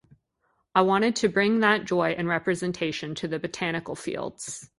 I wanted to bring that joy and representation to the botanical fields.